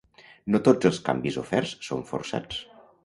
No tots els canvis oferts són forçats.